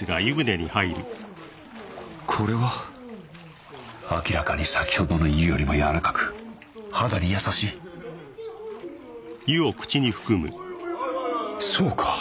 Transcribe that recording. これは明らかに先ほどの湯よりも柔らかく肌に優しいそうか！